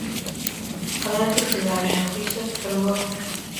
Padear felicidade, risas, fervor.